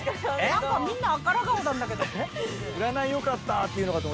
何かみんな赤ら顔なんだけど。